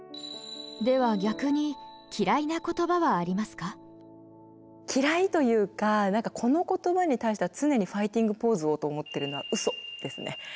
では逆に嫌いというか何かこの言葉に対しては常にファイティングポーズをと思ってるのは「うそ」ですね。